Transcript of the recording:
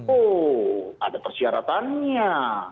oh ada persyaratannya